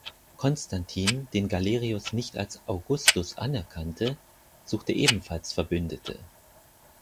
Konstantin, den Galerius nicht als "Augustus" anerkannte, suchte ebenfalls Verbündete.